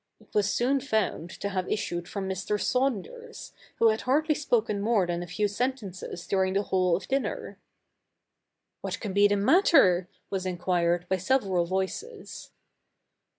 It was soon found to have issued from Mr. Saunders, who had hardly spoken more than a few sentences during the whole of dinner. ' ^Vhat can be the matter ?' was enquired by several voices.